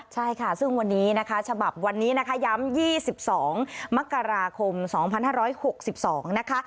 ใช่ค่ะซึ่งวันนี้นะคะฉบับวันนี้นะคะย้ำ๒๒มกราคม๒๕๖๒นะคะ